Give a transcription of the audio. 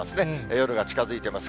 夜が近づいています。